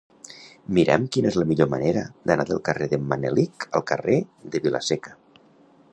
Mira'm quina és la millor manera d'anar del carrer d'en Manelic al carrer de Vila-seca.